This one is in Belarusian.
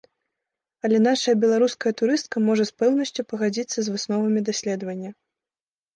Але нашая беларуская турыстка можа з пэўнасцю пагадзіцца з высновамі даследавання.